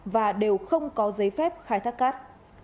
và đều không có giấy phép khai thác cát